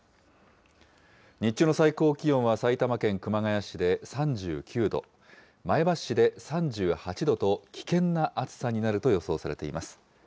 日中の最高気温は埼玉県熊谷市で３９度、前橋市で３８度と、危険な暑さになると予想されています。